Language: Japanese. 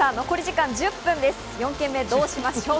残り時間１０分です。